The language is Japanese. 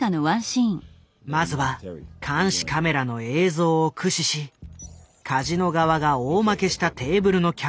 まずは監視カメラの映像を駆使しカジノ側が大負けしたテーブルの客をマーク。